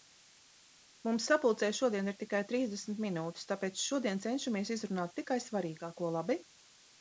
Mums sapulcei šodien ir tikai trīsdesmit minūtes, tāpēc šodien cenšamies izrunāt tikai svarīgāko, labi?